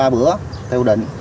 ba bữa theo quy định